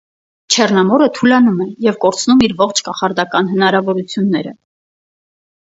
Չեռնամորը թուլանում է և կորցնում իր ողջ կախարդական հնարավորությունները։